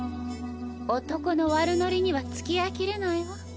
男の悪ノリには付き合い切れないわ。